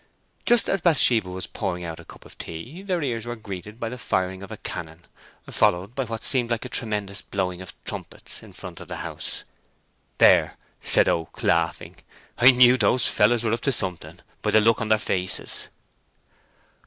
Just as Bathsheba was pouring out a cup of tea, their ears were greeted by the firing of a cannon, followed by what seemed like a tremendous blowing of trumpets, in the front of the house. "There!" said Oak, laughing, "I knew those fellows were up to something, by the look on their faces."